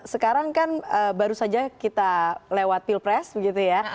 sekarang kan baru saja kita lewat pilpres begitu ya